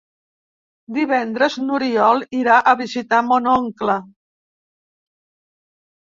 Divendres n'Oriol irà a visitar mon oncle.